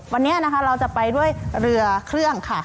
วันนี้นะคะเราจะไปด้วยเรือเครื่องค่ะ